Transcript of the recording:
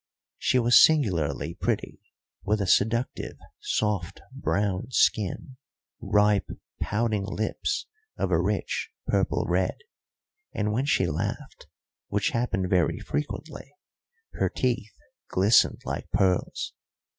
She was singularly pretty, with a seductive, soft brown skin, ripe, pouting lips of a rich purple red, and when she laughed, which happened very frequently, her teeth glistened like pearls.